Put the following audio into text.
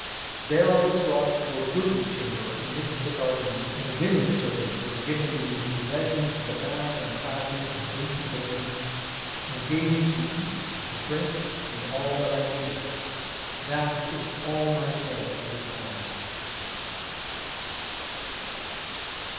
There was I brought to a goodly chamber amidst a garden; and women servants were given me who led me to the bath and clad me in dainty raiment, and gave me to eat and to drink, and all that I needed. That is all my tale for this time."